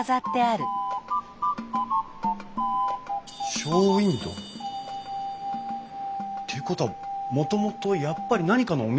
ショーウインドー。っていうことはもともとやっぱり何かのお店だった。